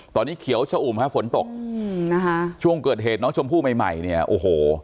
ตอนนี้เขียวเช่าอุ่มฝนตกช่วงเกิดเหตุน้องชมผู้ใหม่เนี่ยโอ้โห